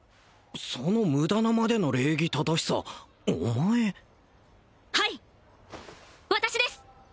そのムダなまでの礼儀正しさお前はい私です！